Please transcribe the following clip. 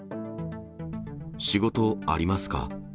仕事ありますか？